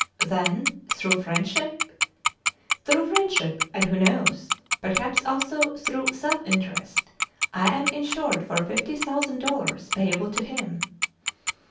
"Then, through friendship "—" Through friendship, and, who knows } perhaps also through self interest. I am insured for fifty thousand dollars, payable to him."